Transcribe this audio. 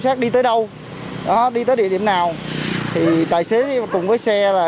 soát đi tới đâu đi tới địa điểm nào thì tài xế cùng với xe